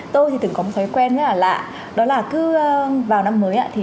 tôi thì từng có một thói quen rất là lạ đó là cứ vào năm mới